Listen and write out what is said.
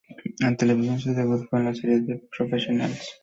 En televisión su debut fue en la serie "The Professionals".